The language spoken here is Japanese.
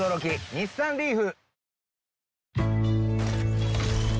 日産リーフ！